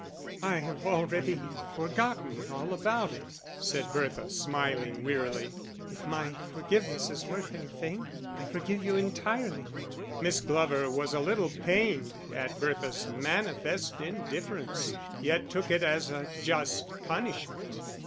"I have already forgotten all about it," said Bertha, smiling wearily. "If my forgiveness is worth anything, I forgive you entirely." Miss Glover was a little pained at Bertha's manifest indifference, yet took it as a just punishment.